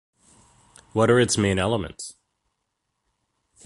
What are its main elements?